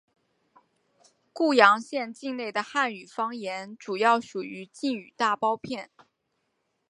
固阳县境内的汉语方言主要属于晋语大包片。